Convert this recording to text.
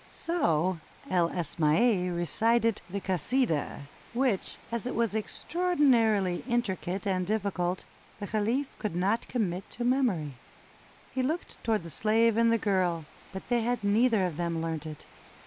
So El Asmaiy recited the "Kasidah," which, as it was extraordinarily intricate and difficult, the caliph could not commit to memory. He looked toward the slave and the girl, but they had neither of them learnt it.